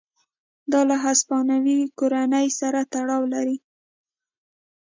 دا له هسپانوي کورنۍ سره تړاو لري.